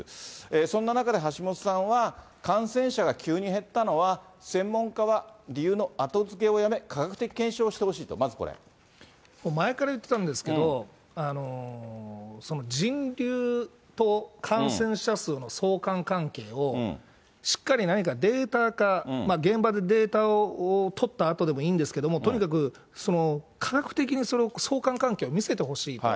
そんな中で橋下さんは、感染者が急に減ったのは、専門家は理由の後付けをやめ、科学的検証をしてほしいと、まずこ前から言ってたんですけど、人流と感染者数の相関関係を、しっかり何かデータか、現場でデータを取ったあとでもいいんですけれども、とにかく科学的にそれを相関関係を見せてほしいと。